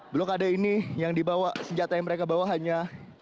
blokade ini yang dibawa senjata yang mereka bawa hanya